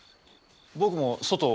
僕も外を。